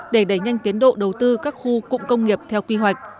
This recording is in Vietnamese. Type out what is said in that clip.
để đẩy nhanh tiến độ đầu tư các khu cụm công nghiệp theo quy hoạch